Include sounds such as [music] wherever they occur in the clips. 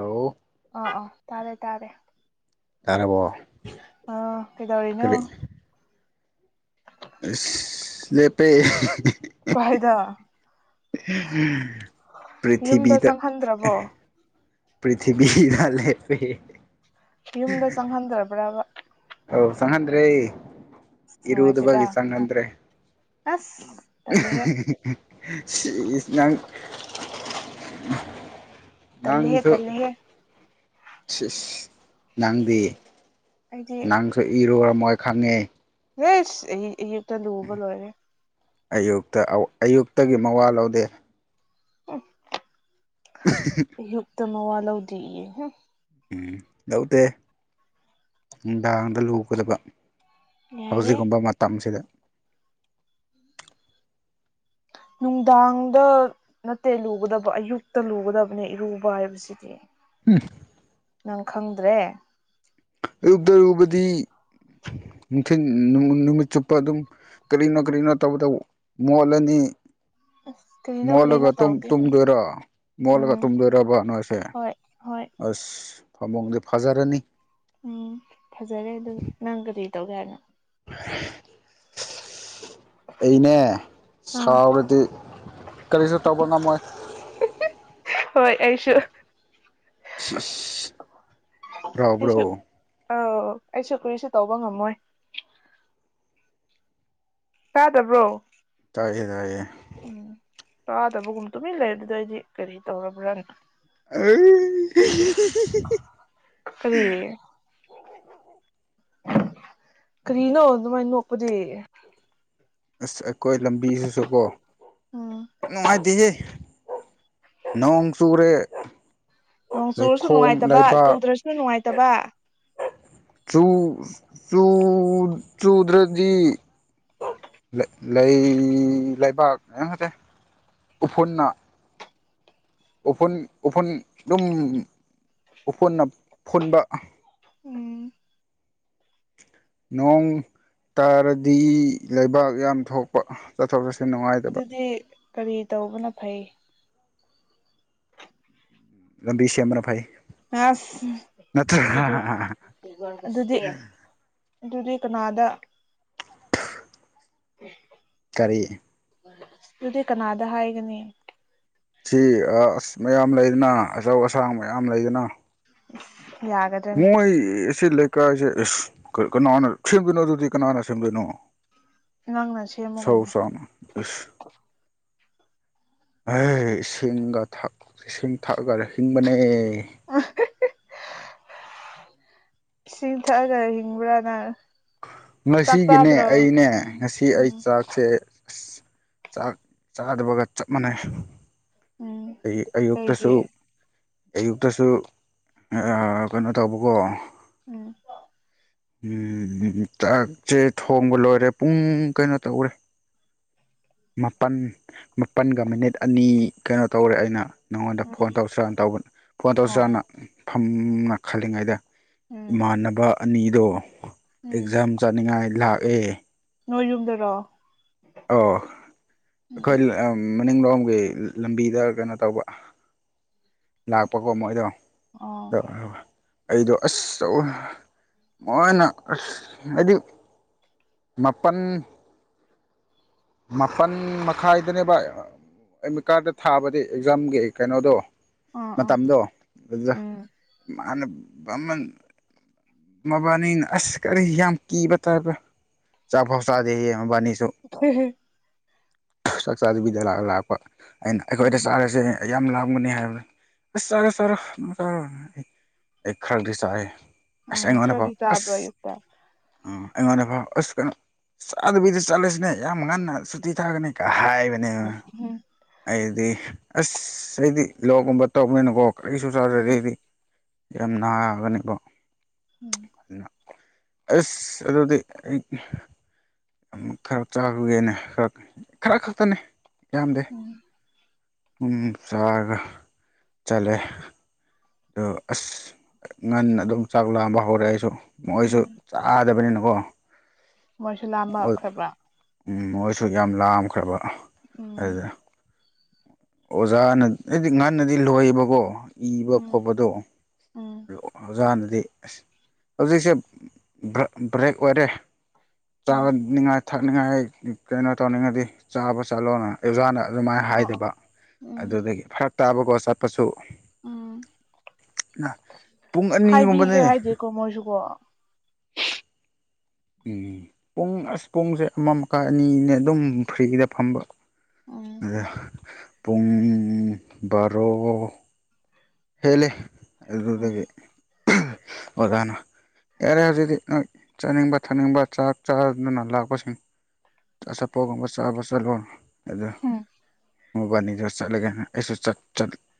ꯑꯣ꯫ ꯑꯥ ꯑꯥ ꯇꯥꯔꯦ ꯇꯥꯔꯦ꯫ ꯇꯔꯕꯣ ꯑ ꯀꯗꯧꯔꯤꯅꯣ ꯑꯁꯥ ꯂꯦꯄꯦ꯫ ꯀꯥꯏꯗ ꯌꯨꯝꯗ ꯆꯪꯍꯟꯗ꯭ꯔꯕꯣ ꯄ꯭ꯔꯤꯊꯤꯕꯤꯗꯂꯦꯄꯦ ꯌꯨꯝꯗ ꯆꯪꯍꯟꯗꯕ꯭ꯔꯥꯕ ꯑꯧ ꯆꯪꯍꯟꯗ꯭ꯔꯦ ꯑꯁ ꯅꯨꯡꯉꯥꯏꯇꯦꯗ ꯏꯔꯨꯗꯕꯒꯤ ꯆꯪꯍꯟꯗ꯭ꯔꯦ꯫ ꯑꯁ ꯇꯜꯂꯦꯍꯦ ꯏꯁ ꯅꯪ ꯇꯜꯂꯦꯍꯦ ꯉꯥꯡꯣ ꯇꯜꯂꯦꯍꯦ ꯅꯪꯗꯤ ꯑꯩꯗꯤ ꯅꯪꯁꯨ ꯏꯔꯨꯔꯝꯃꯣꯏ ꯈꯪꯉꯦ ꯅꯁ ꯑꯩ ꯑꯌꯨꯛꯇ ꯂꯨꯕ ꯂꯣꯏꯔꯦ ꯑꯌꯨꯛꯇ ꯑꯌꯨꯛꯇꯒꯤ ꯃꯋꯥ ꯂꯧꯗꯦ ꯎꯝ [inaudible] ꯑꯌꯨꯨꯞꯛꯇ ꯃꯋꯥ ꯂꯧꯗꯤꯌꯦ ꯎꯝ ꯂꯧꯗꯦ ꯅꯨꯡꯗꯥꯡꯗ ꯂꯨꯒꯗꯕ ꯌꯥꯔꯦ ꯍꯧꯖꯤꯛꯒꯨꯝꯕ ꯃꯇꯝꯁꯤꯗ ꯅꯨꯡꯗꯥꯡꯗꯣ ꯅꯠꯇꯦ ꯂꯨꯒꯗꯕ ꯑꯌꯨꯛꯇ ꯂꯨꯒꯗꯕꯅꯦ ꯏꯔꯨꯕ ꯍꯥꯏꯕꯁꯤꯗꯤ [unintelligible] ꯅꯪ ꯈꯪꯗ꯭ꯔꯦ ꯑꯌꯨꯛꯇ ꯔꯨꯕꯗꯤ ꯅꯨꯡꯊꯤꯟ ꯅꯨꯃꯤꯠꯆꯨꯞꯄ ꯑꯗꯨꯝ ꯀꯔꯤꯅꯣ ꯀꯔꯤꯅꯣ ꯇꯧꯕꯗꯧ ꯃꯣꯠꯂꯅꯤ ꯑꯁ ꯀꯔꯤꯅꯣ ꯀꯔꯤꯅꯣ ꯃꯣꯜꯂꯒ ꯇꯧꯗꯦ ꯑꯩꯈꯣꯏꯗꯤ ꯇꯨꯝꯗꯣꯏꯔꯥ ꯃꯣꯜꯂꯒ ꯎꯝ ꯇꯨꯝꯗꯣꯏꯔꯥꯕ ꯅꯣꯏꯁꯦ ꯍꯣꯏ ꯍꯣꯏ ꯑꯁ ꯐꯃꯨꯡꯗꯤ ꯐꯥꯖꯔꯅꯤ ꯎꯝ ꯐꯖꯔꯦ ꯑꯗꯨꯒꯤ ꯅꯪ ꯀꯔꯤ ꯇꯧꯒꯦ ꯍꯥꯏꯅꯣ [unintelligible] ꯑꯩꯅꯦ ꯑꯥ ꯁꯥꯎꯔꯗꯤ ꯀꯔꯤꯁꯨ ꯇꯧꯕ ꯉꯝꯃꯣꯏ ꯍꯣꯏ ꯑꯩꯁꯨ ꯍꯥꯔꯥꯎꯕꯔꯣ ꯑꯥꯎ ꯑꯩꯁꯨ ꯀꯔꯤꯁꯨ ꯇꯧꯕ ꯉꯝꯃꯣꯏ ꯇꯥꯗꯕ꯭ꯔꯣ ꯇꯥꯏꯌꯦ ꯇꯥꯏꯌꯦ ꯎꯝ ꯇꯥꯗꯕꯒꯨꯝ ꯇꯨꯃꯤꯟꯅ ꯂꯩꯕꯥꯗꯨ ꯑꯩꯗꯤ ꯀꯔꯤ ꯇꯧꯔꯕ꯭ꯔꯅꯥ ꯑꯥꯏ ꯀꯔꯤ [unintelligible] ꯀꯔꯤꯅꯣ ꯑꯗꯨꯃꯥꯏꯅ ꯅꯣꯛꯄꯗꯤ ꯑꯁ ꯑꯩꯈꯣꯏ ꯂꯝꯕꯤꯁꯤꯁꯨꯀꯣ ꯎꯝ ꯅꯨꯡꯉꯥꯏꯇꯦꯍꯦ ꯅꯣꯡ ꯆꯨꯔꯦ ꯅꯣꯡ ꯆꯨꯔꯁꯨ ꯂꯩꯈꯣꯝ ꯅꯨꯡꯉꯥꯏꯇꯕ ꯂꯩꯕꯥꯛ ꯆꯨꯗ꯭ꯔꯁꯨ ꯅꯨꯡꯉꯥꯏꯇꯕ ꯆꯨ ꯆꯨ ꯆꯨꯗ꯭ꯔꯗꯤ ꯂꯩ ꯂꯩꯕꯥꯛ ꯑꯥ ꯅꯠꯇꯦ ꯎꯐꯨꯟꯅꯥ ꯎꯐꯨꯟ ꯎꯐꯨꯟ ꯗꯨꯝ ꯎꯐꯨꯟꯅ ꯐꯨꯟꯕꯥ ꯍꯨꯝ ꯅꯣꯡ ꯇꯥꯔꯗꯤ ꯂꯩꯕꯥꯛ ꯌꯥꯝ ꯊꯣꯛꯄ ꯆꯠꯊꯣꯛ ꯆꯠꯁꯤꯟ ꯅꯨꯡꯉꯥꯏꯇꯕ ꯑꯗꯨꯗꯤ ꯀꯔꯤ ꯇꯧꯕꯅ ꯐꯩ ꯂꯝꯕꯤ ꯁꯦꯝꯕꯅ ꯐꯩ ꯑꯁ ꯑꯗꯨꯗꯤ ꯅꯠꯇ꯭ꯔ ꯑꯗꯨꯗꯤ ꯑꯗꯨꯗꯤ ꯀꯅꯥꯗ ꯀꯔꯤ ꯑꯗꯨꯗꯤ ꯀꯅꯥꯗ ꯍꯥꯏꯒꯅꯤ ꯁꯤ ꯑꯁ ꯃꯌꯥꯝ ꯂꯩꯗꯅ ꯑꯆꯧ ꯑꯁꯥꯡ ꯃꯌꯥꯝ ꯂꯩꯗꯅ [unintelligible] ꯃꯣꯏ ꯑꯁꯤ ꯂꯩꯀꯥꯏꯁꯦ ꯑꯁ ꯀꯅꯥꯅ ꯁꯦꯝꯗꯣꯏꯅꯣ ꯑꯗꯨꯗꯤ ꯀꯅꯥꯅ ꯁꯦꯝꯗꯣꯏꯅꯣ ꯅꯪꯅ ꯁꯦꯝꯃꯨ ꯁꯧ ꯀꯩꯅꯣ ꯁꯥꯡ ꯑꯦꯁ ꯏꯁꯤꯡꯒ ꯏꯁꯤꯡ ꯊꯛꯑꯒ ꯍꯤꯡꯕꯅꯦ ꯏꯁꯤꯡ ꯊꯛꯑꯒ ꯍꯤꯡꯕ꯭ꯔꯥ ꯅꯪ ꯆꯥꯛ ꯉꯁꯤꯒꯤꯅꯦ ꯆꯥꯗ꯭ꯔꯣ ꯑꯩꯅꯦ ꯎꯝ ꯉꯁꯤ ꯑꯩ ꯎꯝ ꯆꯥꯛꯁꯦ ꯑꯁ ꯆꯥꯛ ꯆꯥꯗꯕꯒ ꯆꯞ ꯃꯥꯟꯅꯩ ꯎꯝ ꯑꯌꯨꯛꯇꯁꯨ ꯀꯩꯒꯤ ꯑꯌꯨꯛꯇꯁꯨ ꯀꯩꯅꯣ ꯇꯧꯕꯀꯣ ꯎꯝ ꯆꯥꯛꯁꯦ ꯊꯣꯡꯕ ꯂꯣꯏꯔꯦ ꯄꯨꯡ ꯀꯩꯅꯣ ꯇꯧꯔꯦ ꯃꯥꯄꯜ ꯃꯥꯄꯜꯒ ꯃꯤꯅꯤꯠ ꯑꯅꯤ ꯀꯩꯅꯣ ꯇꯧꯔꯦ ꯑꯩꯅ ꯅꯉꯣꯟꯗ ꯎꯝ ꯐꯣꯟ ꯇꯧꯁꯤꯔꯅ ꯇꯧꯕ ꯐꯣꯟ ꯑꯣ ꯇꯧꯁꯤꯔꯅ ꯑꯣ ꯐꯝꯅ ꯈꯜꯂꯤꯉꯩꯗ ꯎꯝ ꯏꯃꯥꯟꯅꯕ ꯑꯅꯤꯗꯣ ꯎꯝ ꯑꯦꯛꯖꯥꯝ ꯆꯠꯅꯤꯡꯉꯥꯏ ꯂꯥꯛꯑꯦ ꯅꯣꯏ ꯌꯨꯝꯗꯔꯣ ꯑꯩ ꯎꯝ ꯑꯩꯈꯣꯏ ꯎꯝ ꯃꯅꯤꯡꯂꯣꯝꯒꯤ ꯂꯝꯕꯤꯗ ꯀꯩꯅꯣ ꯇꯧꯕ ꯥꯛꯄꯀ ꯃꯣꯏꯗ ꯑꯗ ꯑꯣ [unintelligible] ꯑꯩꯗꯣ ꯑꯁꯧ ꯃꯥꯅ ꯑꯁ ꯍꯥꯏꯗꯤ ꯃꯥꯄꯟ ꯃꯥꯄꯜ ꯃꯈꯥꯏꯗꯅꯦꯕ ꯑꯩ ꯃꯤ ꯀꯥꯔꯗ ꯊꯥꯕꯗꯤ ꯑꯦꯛꯖꯥꯝꯒꯤ ꯀꯩꯅꯣꯗꯣ ꯑꯥ ꯑꯥ ꯃꯇꯝꯗꯣ ꯑꯗꯨꯗ ꯎꯝ ꯃꯥꯅ ꯃꯃꯟ ꯃꯕꯥꯅꯤꯅ ꯑꯁ ꯀꯔꯤ ꯌꯥꯝ ꯀꯤꯕ ꯇꯥꯏꯕ꯭ꯔ ꯆꯐꯧ ꯆꯥꯗꯦꯌꯦ ꯃꯕꯥꯅꯤꯁꯨ ꯍ ꯍ ꯆꯥꯛꯆꯥꯕꯤꯗꯂꯥ ꯂꯥꯛꯄ ꯑꯩꯅ ꯑꯩꯈꯣꯏꯗ ꯎꯝ ꯆꯥꯔꯁꯦ ꯌꯥꯝ ꯂꯥꯝꯒꯅꯤ ꯍꯥꯏꯕꯗ ꯑꯁ ꯆꯠꯔꯣ ꯆꯥꯔꯣ ꯑꯩ ꯈꯔꯗꯤ ꯆꯥꯏꯦ ꯑꯁ ꯎꯝ ꯑꯩꯉꯣꯟꯗ ꯐꯥꯎ ꯈꯔꯗꯤ ꯆꯥꯕ꯭ꯔꯣ ꯑꯌꯨꯛꯇ ꯑꯁ ꯑ ꯑꯩꯉꯣꯟꯗ ꯐꯥꯎ ꯑꯁ ꯀꯩꯅꯣ ꯆꯥꯗꯕꯤꯗ ꯆꯠꯂꯁꯤꯅꯦ ꯌꯥꯝ ꯉꯟꯅ ꯁꯨꯇꯤ ꯊꯥꯒꯅꯤ ꯍꯥꯏꯕꯅꯦꯕ ꯎꯝ ꯑꯩꯗꯤ ꯑꯁ ꯑꯩꯗꯤ ꯂꯣꯛꯒꯨꯝꯕ ꯇꯧꯕꯅꯤꯅꯀꯣ ꯀꯔꯤꯁꯨ ꯎꯝ ꯆꯥꯖꯗꯦꯗꯤ ꯌꯥꯝ ꯅꯥꯒꯅꯤꯀꯣ ꯎꯝ ꯑꯗꯨ ꯑꯁ ꯑꯗꯨꯗꯤ ꯑꯩ ꯈꯔ ꯆꯥꯈꯒꯦꯅ ꯈꯔ ꯈꯔ ꯈꯛꯇꯅꯦ ꯌꯥꯝꯗꯦ ꯎꯝ ꯎ ꯁꯥꯒ ꯆꯂꯦ ꯑꯗ ꯑꯁ ꯉꯟꯅ ꯑꯗꯨꯝ ꯆꯥꯛ ꯂꯥꯝꯕ ꯍꯧꯔꯛꯦ ꯑꯩꯁꯨ ꯃꯣꯏꯁꯨ ꯎꯝ ꯆꯥꯗꯕꯅꯤꯅꯀꯣ ꯃꯣꯏꯁꯨ ꯂꯥꯝꯃꯛꯈ꯭ꯔꯕ꯭ꯔꯥ ꯎꯝ ꯃꯣꯏꯁꯨ ꯌꯥꯝ ꯂꯥꯝꯈ꯭ꯔꯕ ꯎꯝ ꯑꯗꯨꯗ ꯑꯣꯖꯥꯅ ꯑꯩꯗꯤ ꯉꯟꯅꯗꯤ ꯂꯣꯏꯌꯦꯕꯀꯣ ꯏꯕ ꯎꯝ ꯈꯣꯠꯄꯗꯣ ꯎꯝ ꯑꯣꯖꯥ ꯍꯥꯟꯅꯗꯤ ꯑꯁ ꯍꯧꯖꯤꯛꯁꯦ ꯕ꯭ꯔꯦꯛ ꯑꯣꯏꯔꯦ ꯎꯝ ꯆꯥꯅꯤꯡꯉꯥꯏ ꯊꯛꯅꯤꯡꯉꯥꯏ ꯀꯩꯅꯣ ꯇꯧꯅꯤꯡꯉꯗꯤ ꯆꯥꯕ ꯆꯠꯂꯣꯅ ꯑꯣꯖꯥꯅ ꯑꯗꯨꯃꯥꯏꯅ ꯍꯥꯏ ꯑꯣ ꯑꯣ ꯑꯣꯏꯗꯕ ꯎꯝ ꯑꯗꯨꯗꯒꯤ ꯐꯔꯛ ꯇꯥꯕꯀꯣ ꯆꯠꯄꯁꯨ ꯎꯝ ꯄꯨꯡ ꯑꯅꯤꯒꯨꯝꯕꯅꯦ ꯀꯃꯣꯏꯁꯨꯒꯣ ꯎꯝ ꯄꯨꯡ ꯑꯁ ꯄꯨꯡꯁꯦ ꯑꯃ ꯃꯈꯥꯏ ꯑꯅꯤꯅꯦ ꯑꯗꯨꯝ ꯐ꯭ꯔꯤꯗ ꯐꯝꯕ ꯎꯝ ꯄꯨꯡ ꯕꯥꯔꯣ ꯍꯦꯂꯦ ꯑꯗꯨꯗꯒꯤ ꯎꯝ ꯑꯣꯗꯅ ꯌꯥꯔꯦ ꯍꯧꯖꯤꯛꯇꯤ ꯅꯣꯏ ꯆꯥꯅꯤꯡꯕ ꯊꯛꯅꯤꯡꯕ ꯆꯥꯛ ꯆꯥꯗꯨꯅ ꯂꯥꯛꯄꯁꯤꯡ ꯑꯆꯥꯄꯣꯠꯒꯨꯝꯕ ꯆꯥꯕ ꯆꯥꯂꯨ ꯑꯗꯨ ꯎꯝ ꯃꯣꯕꯥꯅꯤꯗ ꯆꯠꯂꯒꯦꯅ ꯑꯩꯁꯨ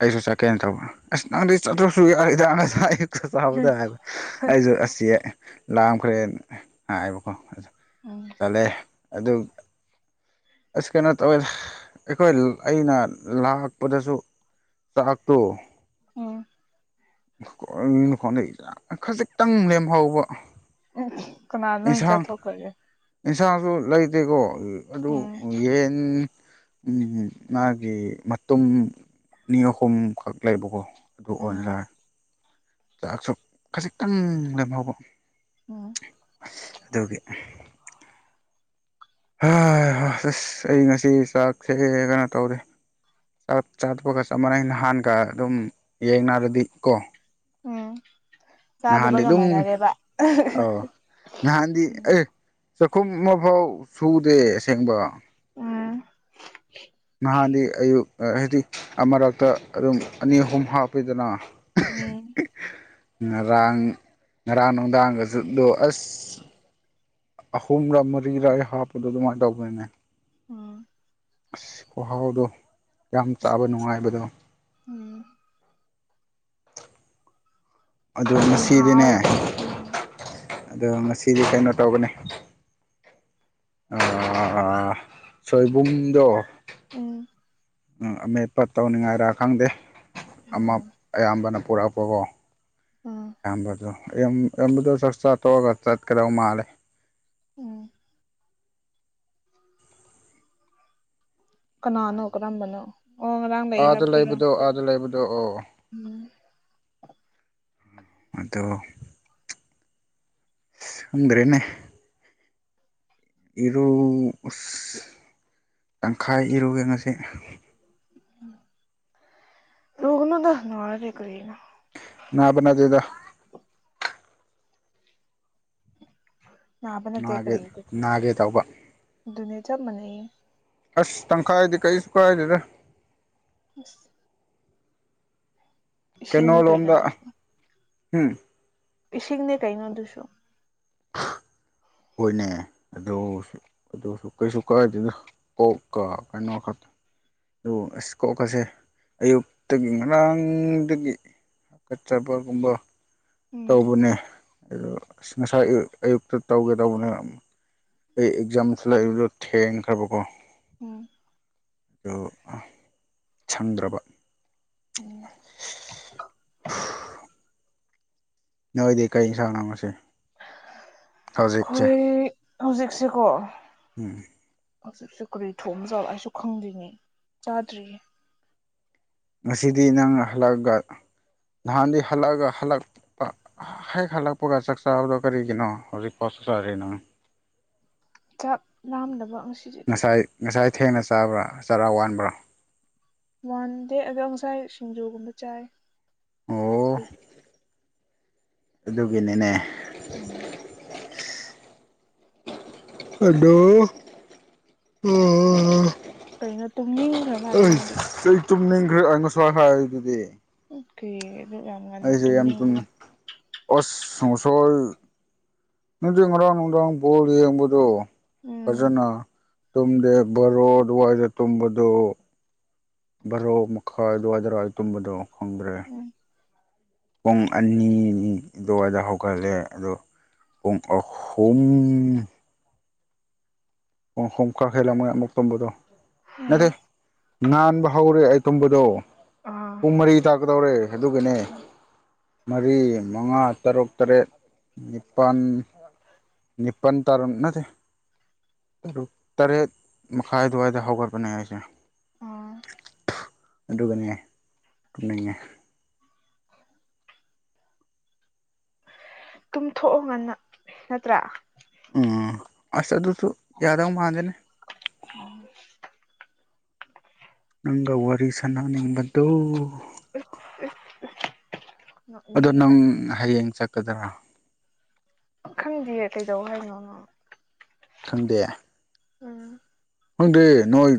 ꯑꯩꯁꯨ ꯆꯠꯀꯦꯅ ꯇꯧꯕ ꯑꯁ ꯅꯪꯗꯤ ꯆꯥꯠꯇ꯭ꯔꯁꯨ ꯌꯥꯗ ꯑꯌꯨꯛꯇ ꯆꯥꯕꯗ ꯍꯥꯏꯕ ꯑꯩꯁꯨ ꯑꯁꯤ ꯂꯝꯈꯔ ꯍꯥꯏꯥꯏꯕꯣꯀꯣ ꯎꯝ ꯆꯠꯂꯦ ꯑꯗꯨ ꯑꯁ ꯀꯩꯅꯣ ꯇꯧꯋꯦ ꯑꯩꯈꯣꯏ ꯑꯩꯅ ꯂꯥꯛꯄꯗꯁꯨ ꯆꯥꯥꯛꯍꯠꯇꯣ ꯎꯝ ꯈꯣꯟꯗꯩ ꯈꯖꯤꯛꯇꯪ ꯂꯦꯝꯍꯧꯕ ꯎꯝ ꯀꯅꯥ ꯂꯣꯏꯟ ꯆꯥꯊꯣꯛꯈ꯭ꯔꯒꯦ ꯑꯦꯟꯁꯥꯡꯁꯨ ꯂꯩꯇꯦꯀꯣ ꯑꯗꯨ ꯎꯝ ꯌꯦꯟ ꯎꯝ ꯃꯥꯒꯤ ꯃꯇꯨꯝ ꯑꯅꯤ ꯑꯍꯨꯝꯈꯛ ꯂꯩꯕꯀꯣ ꯑꯗꯨ ꯎꯝ ꯑꯣꯏꯅ ꯆꯥꯛꯁꯨ ꯈꯖꯤꯛꯇꯪ ꯂꯦꯝꯍꯧꯕ ꯎꯝ [inaudible] ꯍꯣꯏ ꯍꯣꯏ ꯑꯁ ꯑꯩ ꯉꯁꯤ ꯆꯥꯛꯁꯦ ꯀꯩꯅꯣ ꯇꯧꯔꯤ ꯆꯥꯛ ꯆꯥꯊꯣꯛꯑꯒꯥ ꯁꯃꯥꯏꯟ ꯅꯍꯥꯟꯒꯥ ꯑꯗꯨꯝ ꯌꯦꯡꯅꯔꯗꯤ ꯀꯣ ꯎꯝ ꯅꯍꯥꯟꯗꯤ ꯆꯥꯗꯕꯒ ꯑꯗꯨꯝ ꯃꯥꯟꯅꯔꯦꯕ ꯑꯧ ꯅꯍꯥꯟꯗꯤ ꯎꯝ ꯑꯦ ꯆꯥꯛꯈꯨꯝ ꯑꯃꯐꯥꯎ ꯁꯨꯗꯦ ꯑꯁꯦꯡꯕ ꯎꯝ ꯅꯍꯥꯟꯗꯤ ꯑꯌꯨꯛ ꯍꯥꯏꯗꯤꯛ ꯑꯃꯔꯛꯇ ꯑꯗꯨꯝ ꯑꯅꯤ ꯑꯍꯨꯝ ꯍꯥꯞꯄꯤꯗꯅ ꯎꯝ ꯉꯔꯥꯡ ꯉꯔꯥꯡ ꯅꯨꯡꯗꯥꯡꯒꯁꯨꯗꯣ ꯑꯁ ꯑꯍꯨꯝꯔꯛ ꯃꯔꯤꯔꯛ ꯑꯩ ꯍꯥꯞꯄꯗꯣ ꯑꯗꯨꯃꯥꯏꯟ ꯇꯧꯗꯣꯏꯅꯦ ꯎꯝ ꯑꯁ ꯈꯍꯥꯎꯗꯣ ꯌꯥꯝ ꯆꯥꯕ ꯅꯨꯡꯉꯥꯏꯕꯗꯣ ꯎꯝ ꯑꯗꯨ ꯌꯥꯝ ꯉꯁꯤꯗꯤꯅꯦ ꯍꯥꯎ ꯎꯝ ꯑꯗꯣ ꯉꯁꯤꯗꯤ ꯀꯩꯅꯣ ꯇꯧꯒꯅꯤ ꯑꯥ ꯁꯣꯏꯕꯨꯝꯗꯣ ꯎꯝ ꯑꯃꯦꯠꯄ ꯇꯧꯅꯤꯡꯉꯥꯏꯔ ꯈꯪꯗꯦ ꯑꯥ ꯑꯃ ꯎꯝ ꯑꯌꯥꯝꯕꯅ ꯄꯨꯔꯛ ꯀꯣ ꯎꯝ ꯑꯌꯥꯝꯕꯗꯣ ꯑꯌꯥꯝ ꯑꯌꯥꯝꯕꯗꯣ ꯆꯥꯛ ꯆꯥ ꯇꯣꯛꯔꯒ ꯆꯠꯀꯗꯧ ꯃꯥꯜꯂꯦ ꯎꯝ ꯀꯅꯥꯅꯣ ꯑꯗꯨꯃꯥꯏꯅ ꯀꯔꯝꯕꯅꯣ ꯑꯣ ꯉꯔꯥꯡ ꯂꯩ ꯑꯥꯗ ꯍꯥꯏꯕꯗꯨꯔꯣ ꯂꯩꯕꯗꯣ ꯑꯥꯗ ꯂꯩꯕ ꯇꯣ ꯑꯣ ꯎꯝ [inaudible] ꯑꯗꯣ ꯑꯁ ꯈꯪꯗ꯭ꯔꯦꯅꯦ ꯏꯔꯨ ꯇꯪꯈꯥꯏ ꯏꯔꯨꯒꯦ ꯉꯁꯤ ꯂꯨꯒꯥꯅꯨꯗ ꯅꯔꯥꯗꯤ ꯀꯥꯔꯤꯅꯣ ꯅꯥꯕ ꯅꯠꯗꯦꯗꯥ ꯅꯕꯥ ꯅꯠꯇꯦ ꯅꯥꯒꯦ ꯀꯔꯤ ꯑꯗꯨꯗꯤ ꯅꯥꯒꯦ ꯇꯧꯕ ꯑꯗꯨꯅꯦ ꯆꯞ ꯃꯟꯅꯩꯌꯦ ꯑꯁ ꯇꯪꯈꯥꯏꯗꯤ ꯀꯩꯁꯨ ꯀꯥꯏꯗꯦꯗ ꯏꯁ ꯀꯩꯅꯣ ꯏꯁꯤꯡꯅꯦ ꯂꯣꯝꯗ ꯑꯗꯨꯁꯨ ꯎꯝ ꯏꯁꯤꯡꯅꯦ ꯀꯩꯅꯣ ꯑꯗꯨꯁꯨ ꯍꯣꯏꯅꯦ ꯑꯗꯣ ꯑꯗꯨꯁꯨ ꯀꯩꯁꯨ ꯀꯥꯏꯗꯦꯗ ꯀꯣꯛ ꯀꯥ ꯀꯩꯅꯣ ꯈꯛ ꯑꯗꯨ ꯑꯁ ꯀꯣꯛꯀꯥꯁꯦ ꯑꯌꯨꯛꯇꯥꯒꯤ ꯉꯔꯥꯡꯗꯒꯤ ꯍꯥꯒꯠꯆꯥꯕꯒꯨꯝꯕ ꯎꯝ ꯇꯧꯕꯅꯦ ꯑꯁ ꯉꯁꯥꯏ ꯑꯌꯨꯛꯇꯥ ꯇꯧꯒꯦ ꯇꯧꯕꯅꯦ ꯑꯩ ꯑꯦꯛꯖꯥꯝꯁꯨ ꯂꯥꯛꯏꯕꯗꯣ ꯊꯦꯡꯅꯈ꯭ꯔꯕꯀꯣ ꯎꯝ ꯑꯗꯨ ꯁꯪꯗ꯭ꯔꯕ ꯎꯝ ꯅꯣꯏꯗꯤ ꯀꯔꯤ ꯌꯦꯟꯁꯥꯡ ꯥꯡꯉꯁꯤ ꯑꯩꯈꯣꯏ ꯍꯧꯖꯤꯛꯁꯤꯦꯀꯣ ꯎꯝ ꯍꯧꯖꯤꯛꯁꯨ ꯀꯔꯤ ꯊꯣꯡꯕ ꯆꯥꯠꯂ ꯑꯩꯁꯨ ꯈꯪꯗ꯭ꯔꯤꯅꯤ ꯆꯥꯗ꯭ꯔꯤꯌꯦ ꯉꯁꯤꯗꯤ ꯅꯪꯅ ꯍꯜꯂꯛꯑꯒ ꯅꯍꯥꯟꯗꯤ ꯍꯜꯂꯛꯑꯒ ꯍꯜꯂꯛꯄ ꯍꯦꯛ ꯍꯜꯂꯛꯄꯒ ꯆꯥꯛ ꯆꯥꯕꯗꯣ ꯀꯔꯤꯒꯤꯅꯣ ꯍꯧꯖꯤꯛ ꯄꯣꯠꯁꯨ ꯆꯥꯔꯔꯤ ꯅꯪ ꯆꯥꯛ ꯂꯥꯝꯗꯕ ꯑꯗꯨꯒꯤ ꯉꯁꯥꯏ ꯉꯁꯥꯏ ꯊꯦꯡꯅ ꯆꯥꯕ꯭ꯔꯥ ꯆꯔꯥ ꯋꯥꯟꯕ꯭ꯔꯥ ꯋꯥꯟ ꯗꯦ ꯑꯗꯣ ꯉꯁꯥꯏ ꯁꯤꯡꯖꯨꯒꯨꯝꯕ ꯆꯥꯏ ꯑꯣ ꯑꯗꯨꯗꯤ ꯑꯗꯨꯒꯤꯅꯤꯅꯦ ꯎꯝ ꯍꯗꯣ ꯑ ꯀꯩꯅꯣ ꯇꯨꯝꯅꯤꯡꯈ꯭ꯔ ꯃꯥꯜꯂꯦ ꯅꯪꯗꯤ ꯑꯩ ꯇꯨꯝꯅꯤꯡꯈ꯭ꯔ ꯑꯉ ꯁ ꯍꯥꯏ ꯑꯗꯨꯗꯤ ꯑꯣꯀꯦ ꯑꯩꯁꯨ ꯌꯥꯝ ꯇꯨꯝꯃꯦ ꯑꯁꯁꯣꯏ ꯅꯨꯅꯨꯡꯗꯤ ꯉꯔꯥꯡ ꯅꯨꯡꯗꯥꯡ ꯕꯣꯜ ꯌꯦꯡꯕꯗꯣ ꯎꯝ ꯐꯖꯅ ꯇꯨꯝꯗꯦ ꯕꯔꯣ ꯋꯥꯏꯗ ꯇꯨꯝꯕꯗꯨ ꯕꯥꯔꯣꯛ ꯃꯈꯥꯏ ꯑꯗꯨꯋꯥꯏꯗꯔꯋꯥꯏ ꯇꯨꯝꯕꯗꯣ ꯈꯪꯗ꯭ꯔꯦ ꯎꯝ ꯄꯨꯡ ꯑꯅꯤꯅꯤ ꯑꯗꯨꯋꯥꯏꯗ ꯍꯧꯒꯠꯂꯦ ꯑꯗꯣ ꯄ ꯑꯣꯨꯝ ꯍꯣꯡꯀꯥꯈꯦꯂ ꯃꯌꯥꯝ ꯃꯣꯛꯛꯇꯣꯕꯣꯗ ꯏꯗꯤ ꯉꯟꯥꯟꯕ ꯍꯧꯔꯦ ꯑꯩ ꯇꯨꯝꯝꯕꯗꯣ ꯑꯥ ꯄꯨꯡ ꯃꯔꯤ ꯇꯥꯛꯀꯗꯧꯔꯦ ꯑꯗꯨꯒꯅꯦ ꯃꯔꯤ ꯃꯉꯥ ꯇꯔꯨꯛ ꯇꯔꯦꯠ ꯅꯤꯄꯥꯜ ꯏꯄ ꯇꯔꯣꯅꯗꯤ ꯇꯔꯨꯛ ꯇꯔꯦꯠ ꯃꯈꯥꯏ ꯑꯗꯨꯋꯥꯏꯗ ꯍꯧꯒꯠꯄꯅꯦ ꯑꯩꯁꯦ ꯑꯥ ꯑꯗꯨꯅꯦꯉꯦ ꯇꯨꯝꯊꯣꯛꯑ ꯉꯅ ꯅꯠꯇ꯭ꯔꯥ ꯎꯝ ꯑꯁ ꯑꯗꯨꯁꯨ ꯌꯥꯖꯗ ꯑꯃ ꯃꯥꯥꯟꯗꯅꯦ ꯑꯣ ꯅꯪꯒ ꯋꯥꯔꯤ ꯁꯅꯅꯤꯡꯕꯗꯨꯣ [inaudible] ꯑꯗꯣ ꯅꯪ ꯍꯌꯦꯡ ꯆꯠꯀꯗꯔꯥ ꯈꯪꯗꯌꯦ ꯀꯩꯗꯧ ꯍꯥꯏꯅꯣꯅ ꯈꯪꯗꯦ ꯎꯝ ꯈꯪꯗꯦ ꯅꯣꯏ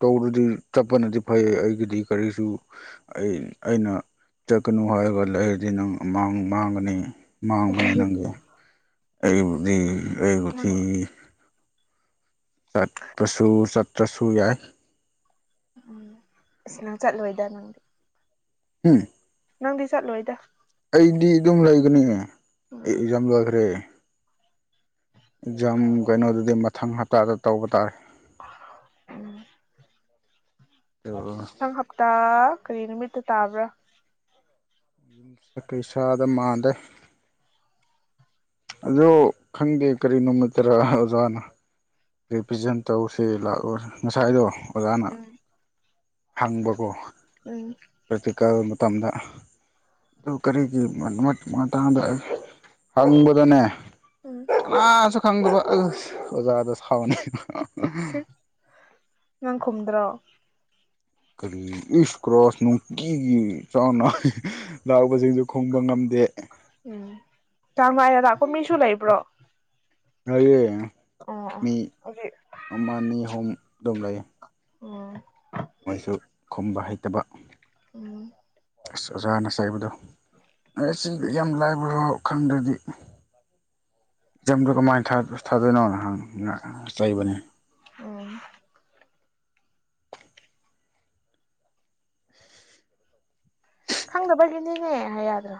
ꯇꯧꯔꯗꯤ ꯆꯠꯄꯅꯗꯤ ꯐꯩꯌꯦ ꯑꯩꯒꯤꯗꯤ ꯀꯔꯤꯁꯨ ꯑꯩ ꯑꯩꯅ ꯆꯠꯀꯅꯨ ꯍꯥꯏꯔꯒ ꯂꯩꯔꯗꯤ ꯅꯪ ꯑꯃꯥꯡ ꯃꯥꯡꯒꯅꯤ ꯃꯥꯡꯕꯅꯦ ꯅꯪꯒꯤ ꯑꯩꯕꯨ ꯅꯪ ꯑꯩꯕꯨꯗꯤ ꯆꯠꯄꯁꯨ ꯆꯠꯇ꯭ꯔꯁꯨ ꯌꯥꯏ ꯎꯝ ꯑꯁꯤꯅꯪ ꯆꯠꯂꯣꯏꯗ ꯅꯪꯗꯤ ꯎꯝ ꯅꯪꯗꯤ ꯆꯠꯂꯣꯏꯗ ꯑꯩꯗꯤ ꯑꯗꯨꯝ ꯂꯩꯒꯅꯤ ꯑꯩ ꯎꯝ ꯑꯦꯛꯖꯥꯝ ꯂꯣꯏꯈ꯭ꯔꯦ ꯖꯝ ꯀꯩꯅꯣꯗꯨꯗꯤ ꯃꯊꯪ ꯍꯞꯇꯥꯗ ꯇꯧꯕ ꯇꯥꯔꯦ ꯎꯝ ꯑꯣ ꯇ ꯀꯔꯤꯅꯃꯤ ꯇ ꯇꯥꯕ꯭ꯔ ꯀꯩꯁꯥꯗ ꯃꯥꯟꯗꯦ ꯑꯗꯣ ꯈꯪꯗꯦ ꯀꯔꯤ ꯅꯨꯃꯤꯠꯇꯔꯥ ꯑꯣꯖꯥꯅ ꯔꯤꯕꯤꯖꯟ ꯇꯧꯁ‌ꯦ ꯂꯥꯛꯑꯣ ꯉꯁꯥꯏꯗꯣ ꯑꯣꯖꯥꯅ [unintelligible] ꯍꯪꯕꯀꯣ ꯎꯝ ꯄ꯭ꯔꯇꯤꯀ‌ꯦꯜ ꯃꯇꯝꯗ ꯑꯗꯨ ꯀꯔꯤꯒꯤ ꯃꯇꯥꯡꯗ ꯍꯪꯕꯗꯅꯦ ꯎꯝ ꯀꯅꯥꯁꯨ ꯈꯪꯗꯕ ꯑꯗꯨꯏ ꯑꯣꯖꯥꯗ ꯁꯥꯎꯅꯩꯕ [unintelligible] ꯅꯪ ꯈꯨꯝꯗ꯭ꯔꯣ ꯀꯔꯤ ꯏꯁ ꯀꯂꯥꯁ ꯅꯨꯡ ꯀꯤꯒꯤ ꯆꯥꯡ ꯅꯥꯏꯅ ꯂꯥꯛꯕꯁꯤꯡꯁꯨ ꯈꯨꯝꯕ ꯉꯝꯗꯦ ꯎꯝ ꯆꯥꯡ ꯅꯥꯏꯅ ꯂꯥꯛꯄ ꯃꯤꯁꯨ ꯂꯩꯕ꯭ꯔꯣ ꯂꯩꯌ‌ꯦ ꯑꯣ ꯑꯣ ꯃꯤ ꯍꯧꯖꯤꯛ ꯑꯃꯅꯤ ꯍꯨꯝ ꯑꯗꯨꯝ ꯂꯩꯌ‌ꯦ ꯑꯣ ꯃꯣꯏꯁꯨ ꯈꯨꯝꯕ ꯍꯩꯇꯕ ꯑꯣ ꯑꯁ ꯑꯣꯖꯥꯅ ꯆꯩꯕꯗꯣ ꯅ‌ꯣꯏꯁꯤ ꯌꯥꯝ ꯂꯥꯏꯕꯔ‌ꯣ ꯈꯪꯗ꯭ꯔꯗꯤ ꯑꯦꯛꯖꯥꯝꯗ ꯀꯃꯥꯏꯅ ꯊꯥꯗꯣꯏꯅꯣꯅ ꯍꯪꯉꯤ ꯆꯩꯕꯅ‌ꯦ ꯑꯣ ꯈꯪꯗꯕꯒꯤꯅꯤꯅꯦ ꯍꯥꯏꯌꯨ ꯌꯥꯗ꯭ꯔꯣ